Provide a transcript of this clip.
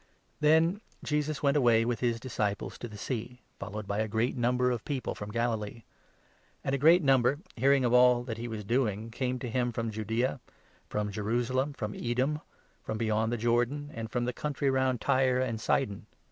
cures by Then Jesus went away with his disciples to 7 *"» the Sea, followed by a great number of people Lake side. from Gai; iee. And a great number, hearing of all that he was doing, came to him from Judaea, from 8 Jerusalem, from Edom, from beyond the Jordan, and from the country round Tyre and Sidon.